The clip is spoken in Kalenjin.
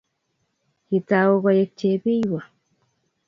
kitau koek chepiywa